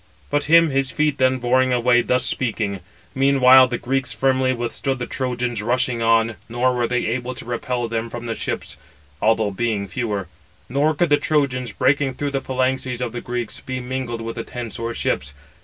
But him his feet then bore away thus speaking. Meanwhile the Greeks firmly withstood the Trojans rushing on, nor were they able to repel them from the ships, although being fewer; nor could the Trojans, breaking through the phalanxes of the Greeks, be mingled with the tents or ships.